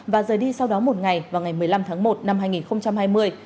và rời đi sau đó một ngày vào ngày một mươi năm tháng một năm hai nghìn hai mươi